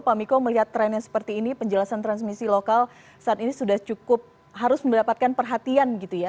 pak miko melihat trennya seperti ini penjelasan transmisi lokal saat ini sudah cukup harus mendapatkan perhatian gitu ya